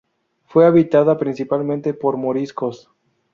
Fue habitada principalmente por moriscos.